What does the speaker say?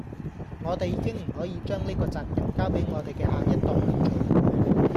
我地已經唔可以將呢個責任交俾我們既下一代去做